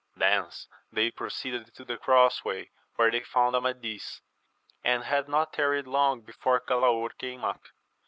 Thence they pro ceeded to the cross way, where they found Amadis, and had not tarried long before Galaor came up.